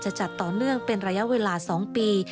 จัดต่อเนื่องเป็นระยะเวลา๒ปี